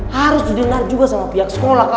harus didenar juga sama pihak sekolah kawan